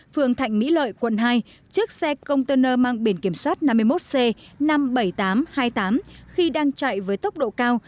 phường thạnh mỹ lợi quận hai chiếc xe container mang biển kiểm soát năm mươi một c năm mươi bảy nghìn tám trăm hai mươi tám khi đang chạy với tốc độ cao